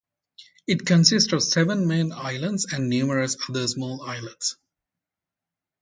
It consists of seven main islands and numerous other small islets.